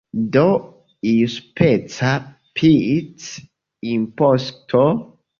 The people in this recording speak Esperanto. Do iuspeca pic-imposto?